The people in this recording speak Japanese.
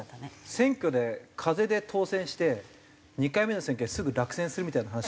選挙で風で当選して２回目の選挙ですぐ落選するみたいな話。